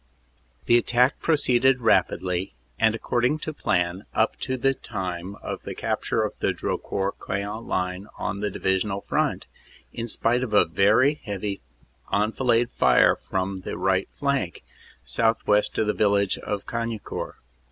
"The attack proceeded rapidly, and according to plan up to the time of the capture of the Drocourt Queant line on the Divisional front, in spite of a very heavy enfilade fire from the right flank, southwest of the village of Cagnicourt.